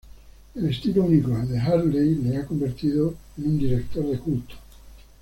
El estilo único de Hartley le ha convertido en un director de culto.